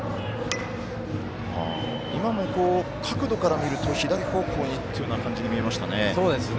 今も、角度から見ると左方向にという感じには見えましたね。